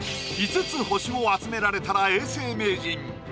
５つ星を集められたら永世名人。